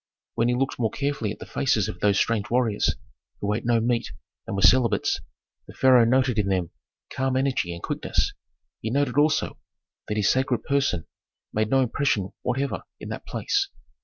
When he looked more carefully at the faces of those strange warriors, who ate no meat and were celibates, the pharaoh noted in them calm energy and quickness; he noted also that his sacred person made no impression whatever in that place.